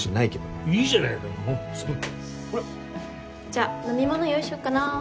じゃあ飲み物用意しよっかなぁ。